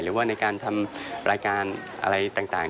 หรือว่าในการทำรายการอะไรต่าง